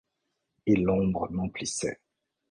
Et l’ombre m’emplissait.